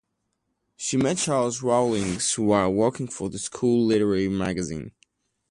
She met Charles Rawlings while working for the school literary magazine.